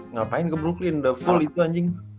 ngapain ke brooklyn udah full itu anjing